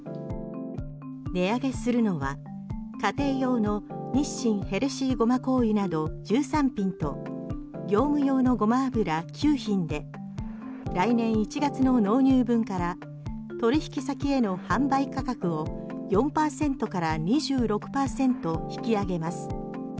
値上げするのは、家庭用の日清ヘルシーごま香油など１３品と業務用のゴマ油９品で来年１月の納入分から取引先への販売価格を４％から２６％引き上げます。